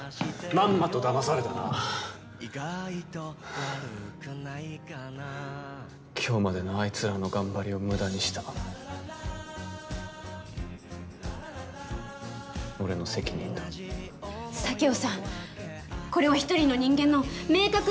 まんまとだまされたなはあ今日までのあいつらの頑張りを無駄にした俺の責任だ佐京さんこれは一人の人間の明確な悪意によるものです